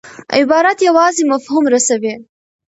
عبارت یوازي مفهوم رسوي.